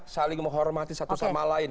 saling menghormati satu sama lain